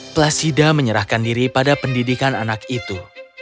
placida menyerahkan diri pada pendidikan anak itu